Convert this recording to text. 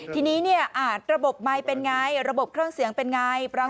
ทีนี้ระบบไมค์เป็นอย่างไรระบบเครื่องเสียงเป็นอย่างไร